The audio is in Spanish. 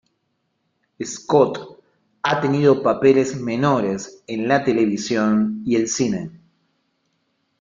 Scott ha tenido papeles menores en la televisión y el cine.